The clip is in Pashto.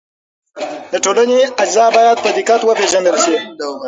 د ټولنې اجزا باید په دقت وپېژندل شي.